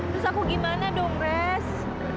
terus aku gimana dong res